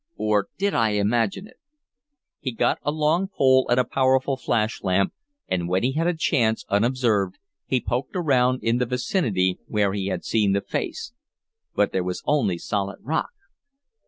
Or did I imagine it?" He got a long pole and a powerful flash lamp, and when he had a chance, unobserved, he poked around in the vicinity where he had seen the face. But there was only solid rock.